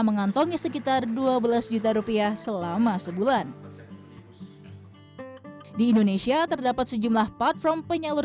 mengantongi sekitar dua belas juta rupiah selama sebulan di indonesia terdapat sejumlah platform penyalur